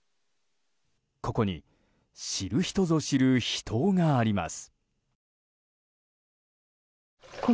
ここに、知る人ぞ知る秘湯があります。